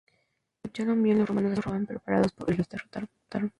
Aunque lucharon bien, los romanos estaban mejor preparados y les derrotaron.